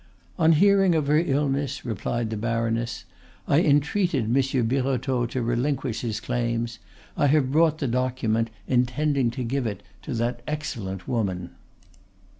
"On hearing of her illness," replied the baroness, "I entreated Monsieur Birotteau to relinquish his claims; I have brought the document, intending to give it to that excellent woman."